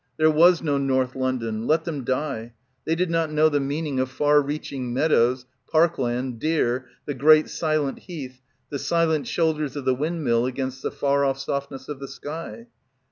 There was no North London. Let them die. They did not know the meaning of far reaching meadows, park land, deer, the great silent Heath, the silent shoulders of the windmill against the far off softness of the sky.